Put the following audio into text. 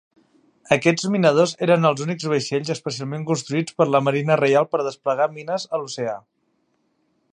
Aquests minadors eren els únics vaixells especialment construïts per la Marina Reial per desplegar mines a l'oceà.